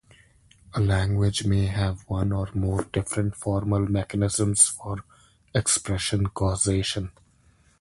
A language may have one or more different formal mechanisms for expression causation.